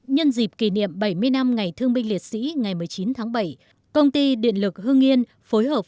nhân dịp kỷ niệm bảy mươi năm ngày thương binh liệt sĩ ngày một mươi chín tháng bảy công ty điện lực hương yên phối hợp